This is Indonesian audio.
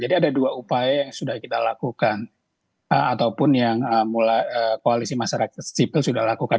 ada dua upaya yang sudah kita lakukan ataupun yang koalisi masyarakat sipil sudah lakukan